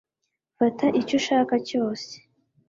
fata icyo ushaka cyose